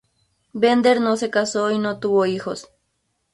Bender no se casó y no tuvo hijos.